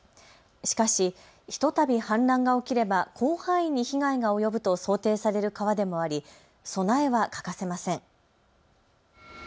しかし、ひとたび氾濫が起きれば広範囲に被害が及ぶと想定される川でもあり備えは欠かせません。